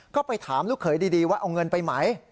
ก็ไปถามลูกเขยดีว่าเอาเงินไปไหม